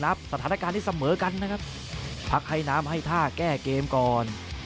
สถานการณ์ที่เสมอกันนะครับพักให้น้ำให้ท่าแก้เกมก่อน